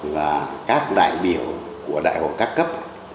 và các đại biểu của đại hội cấp cấp